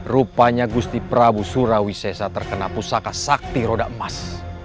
rupanya gusti prabu surawisesa terkena pusaka sakti roda emas